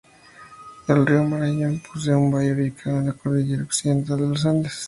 El río Marañón posee un valle ubicado en la cordillera occidental de los andes.